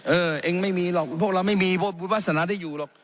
เออเอ็งไม่มีหรอกพวกเราไม่มีบูธบัสนาได้อยู่หรอก